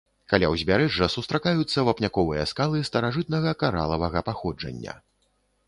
Каля ўзбярэжжа сустракаюцца вапняковыя скалы старажытнага каралавага паходжання.